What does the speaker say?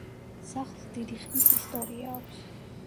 სახლს დიდი ხნის ისტორია აქვს.